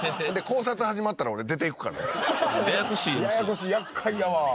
ややこしい厄介やわ。